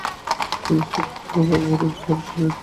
তিনি তীক্ষ্ণভাবে উপলব্ধি করেছিলেন।